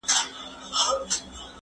زه له سهاره د کتابتوننۍ سره خبري کوم.